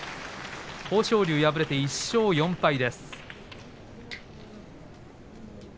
豊昇龍敗れて１勝４敗です。